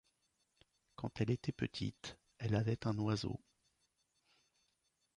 Quand elle était petite, elle avait un oiseau ;